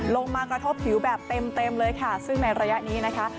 ลงมากระทบผิวแบบเต็มเต็มเลยค่ะซึ่งในระยะนี้นะคะ